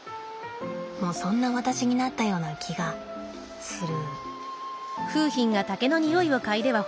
もうそんな私になったような気がする。